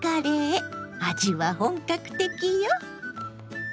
味は本格的よ！